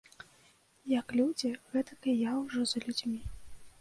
Як людзі, гэтак і я ўжо за людзьмі.